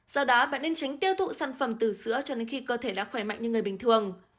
do đó bạn nên tránh tiêu thụ sản phẩm từ sữa cho đến khi cơ thể đã khỏe mạnh như người bình thường